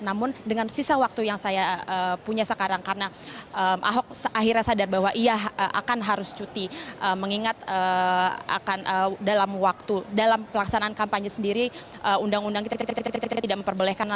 namun dengan sisa waktu yang saya punya sekarang karena ahok akhirnya sadar bahwa ia akan harus cuti mengingat akan dalam waktu dalam pelaksanaan kampanye sendiri undang undang kita tidak memperbolehkan